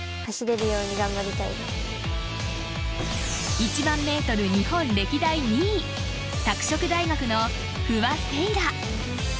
１万メートル日本歴代２位拓殖大学の不破聖衣来。